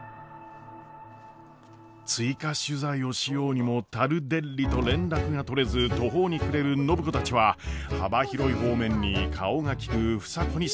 追加取材をしようにもタルデッリと連絡が取れず途方に暮れる暢子たちは幅広い方面に顔が利く房子に相談。